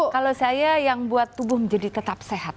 kalau saya yang buat tubuh menjadi tetap sehat